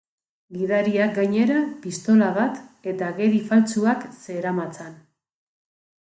Gidariak, gainera, pistola bat eta agiri faltsuak zeramatzan.